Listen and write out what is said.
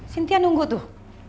sintia nunggu tuh